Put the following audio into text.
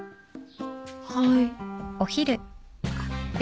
はい。